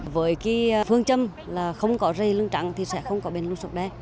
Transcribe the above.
với phương châm là không có dày lưng trắng thì sẽ không có bệnh lùn sọc đen